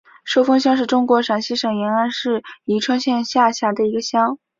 寿峰乡是中国陕西省延安市宜川县下辖的一个乡。